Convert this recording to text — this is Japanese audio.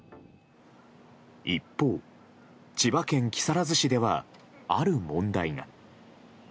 一方、千葉県木更津市ではある問題が。